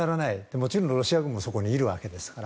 もちろんロシア軍もそこにいるわけですから。